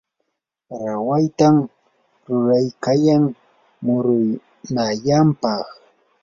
rawayta ruraykayan muruyanampaq.